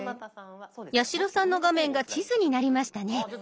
八代さんの画面が地図になりましたね。